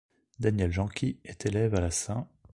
Daniel Jenky est élève à la St.